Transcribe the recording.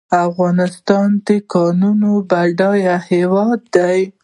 افغانستان د کانونو بډایه هیواد دی